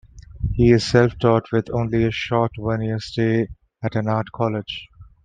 He is self-taught, with only a short one-year stay at an art college.